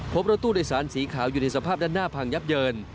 พบรถตู้โดยสารสีขาวอยู่ในสภาพด้านหน้าพังยับเยิน